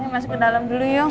masuk ke dalam dulu yuk